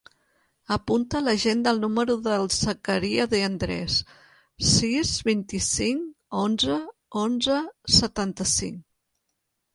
Apunta a l'agenda el número del Zakaria De Andres: sis, vint-i-cinc, onze, onze, setanta-cinc.